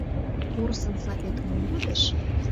Порсын сапет мом йодеш?